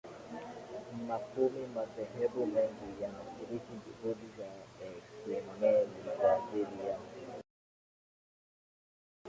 ma kumi madhehebu mengi yanashiriki juhudi za ekumeni kwa ajili ya